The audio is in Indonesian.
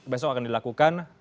besok akan dilakukan